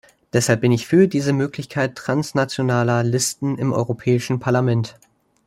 Deshalb bin ich für diese Möglichkeit transnationaler Listen im Europäischen Parlament.